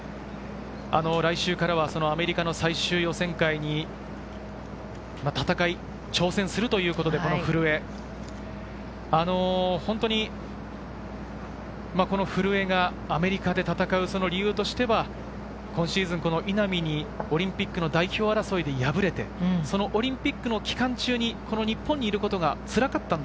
来週からはアメリカの最終予選会に挑戦するということで古江、本当に古江がアメリカで戦う理由としては今シーズン、稲見にオリンピックの代表争いで敗れて、オリンピックの期間中に日本にいることがつらかった。